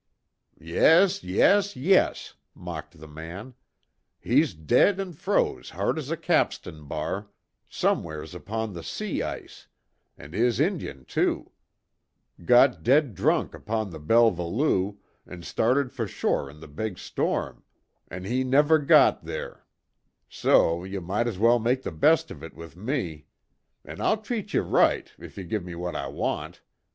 "Yes, yes, yes," mocked the man, "He's dead an' froze hard as a capstan bar, somewheres upon the sea ice, an' his Injun, too. Got dead drunk upon the Belva Lou, an' started fer shore in the big storm an' he never got there. So ye might's well make the best of it with me. An' I'll treat ye right if ye give me what I want.